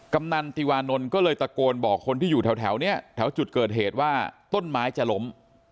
กำนันติวานนท์ก็เลยตะโกนบอกคนที่อยู่แถวเนี่ยแถวจุดเกิดเหตุว่าต้นไม้จะล้ม